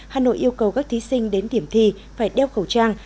hà nội yêu cầu các thí sinh đến điểm thi phải đeo khẩu trang